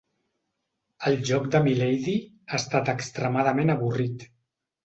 El lloc de mi lady ha estat extremadament avorrit.